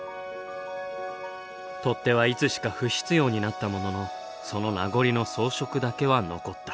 取っ手はいつしか不必要になったもののその名残の装飾だけは残った。